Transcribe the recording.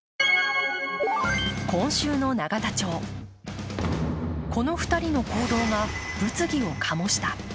今週の永田町、この２人の行動が物議を醸した。